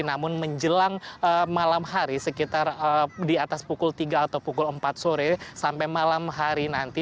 namun menjelang malam hari sekitar di atas pukul tiga atau pukul empat sore sampai malam hari nanti